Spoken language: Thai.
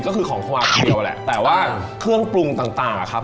ก็คือของความเคี่ยวแหละแต่ว่าเครื่องปรุงต่างครับ